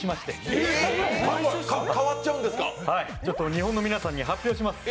日本の皆さんに発表します。